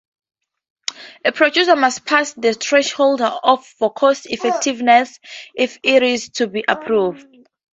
A product must pass the threshold for cost-effectiveness if it is to be approved.